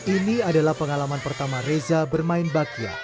ini adalah pengalaman pertama reza bermain bakya